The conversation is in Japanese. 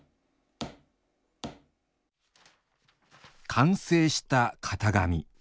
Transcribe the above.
完成した型紙。